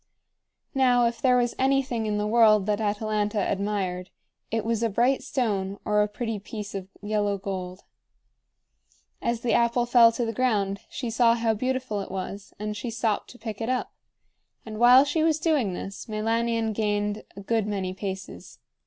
Now, if there was anything in the world that Atalanta admired, it was a bright stone or a pretty piece of yellow gold. As the apple fell to the ground she saw how beautiful it was, and she stopped to pick it up; and while she was doing this, Meilanion gained a good many paces.